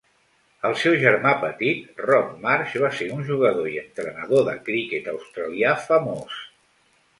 El seu germà petit, Rod Marsh, va ser un jugador i entrenador de criquet australià famós.